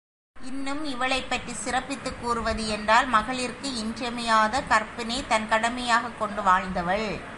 இன்னும் இவளைப்பற்றிச் சிறப்பித்துக் கூறுவது என்றால் மகளிர்க்கு இன்றியமையாத கற்பினைத் தன் கடமையாகக் கொண்டு வாழ்ந்தவள்.